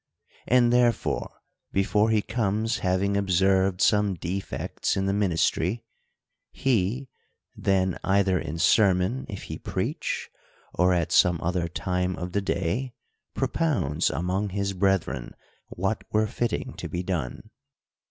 And therefore, before he comes having observed some defects in the ministry, he then either in sermon, if he preach, or at some other time of the day, propounds among his breth ren what were fitting to be done.